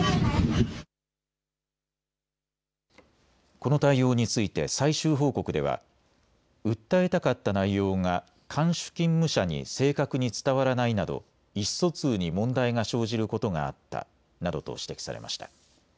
この対応について最終報告では訴えたかった内容が看守勤務者に正確に伝わらないなど意思疎通に問題が生じることがあったなどと指摘されました。